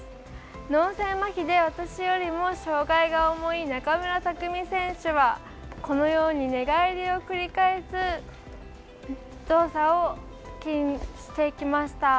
脳性まひで私よりも障がいが重い中村拓海選手は寝返りを繰り返す動作をしてきました。